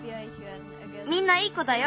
みんないい子だよ。